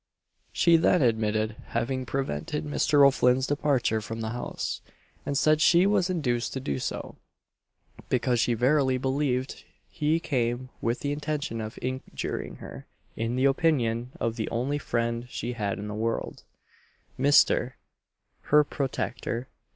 She then admitted having prevented Mr. O'Flinn's departure from the house, and said she was induced to do so, because she verily believed he came with the intention of injuring her in the opinion of the only friend she had in the world Mr. , her protector.